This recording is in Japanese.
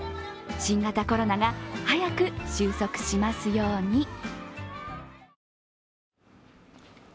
新型コロナが早く収束しますように。